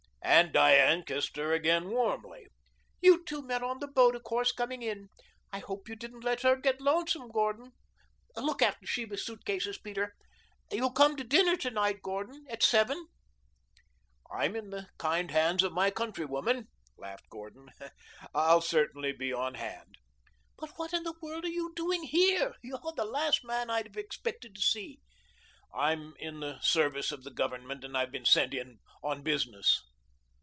And Diane kissed her again warmly. "You two met on the boat, of course, coming in, I hope you didn't let her get lonesome, Gordon. Look after Sheba's suitcases, Peter. You'll come to dinner to night, Gordon at seven." "I'm in the kind hands of my countrywoman," laughed Gordon. "I'll certainly be on hand." "But what in the world are you doing here? You're the last man I'd have expected to see." "I'm in the service of the Government, and I've been sent in on business."